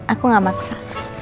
aku gak maksa